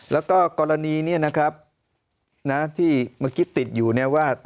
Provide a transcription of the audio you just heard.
แล้วก็กรณีนี้นะครับที่เมื่อกี้ติดอยู่เนี่ยว่า